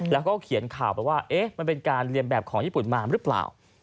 แล้วก็เขียนข่าวไปว่ามันเป็นการเรียนแบบของญี่ปุ่นมาหรือเปล่า